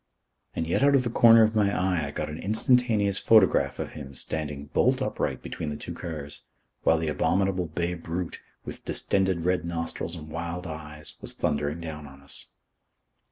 And yet out of the corner of my eye I got an instantaneous photograph of him standing bolt upright between the two cars, while the abominable bay brute, with distended red nostrils and wild eyes, was thundering down on us.